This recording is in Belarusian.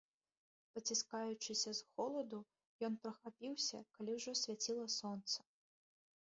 Паціскаючыся з холаду, ён прахапіўся, калі ўжо свяціла сонца.